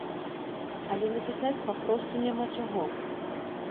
Але напісаць папросту няма чаго!